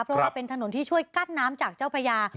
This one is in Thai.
เพราะว่าเป็นถนนที่ช่วยกั้นน้ำจากเจ้าพญา